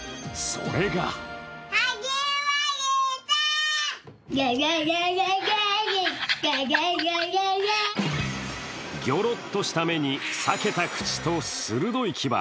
それがギョロっとした目に裂けた口と鋭い牙。